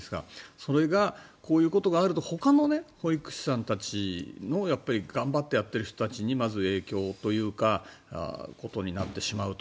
それがこういうことがあるとほかの保育士さんたちの頑張ってやっている人たちにまず影響というかそういうことになってしまうと。